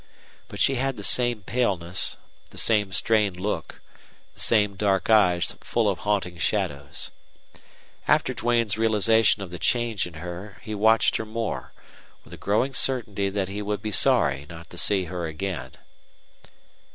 But she had the same paleness, the same strained look, the same dark eyes full of haunting shadows. After Duane's realization of the change in her he watched her more, with a growing certainty that he would be sorry not to see her again.